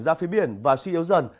ra phía biển và suy yếu dần